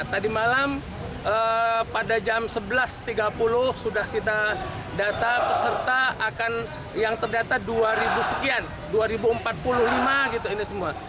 tadi malam pada jam sebelas tiga puluh sudah kita data peserta akan yang terdata dua ribu sekian dua ribu empat puluh lima gitu ini semua